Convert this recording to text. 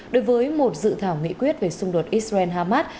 đối với một dự thảo nghị quyết về xung đột israel harmat